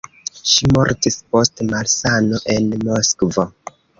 Ŝi mortis post malsano en Moskvo.